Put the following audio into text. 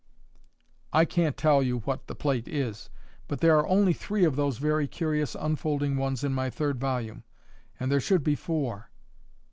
"I can't tell you what the plate is. But there are only three of those very curious unfolding ones in my third volume, and there should be four."